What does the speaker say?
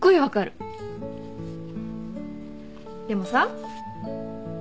でもさ